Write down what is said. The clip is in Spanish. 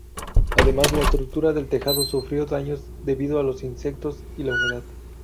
Además, la estructura del tejado sufrió daños debido a los insectos y la humedad.